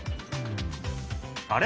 あれ？